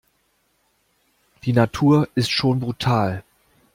Die Natur ist schon brutal.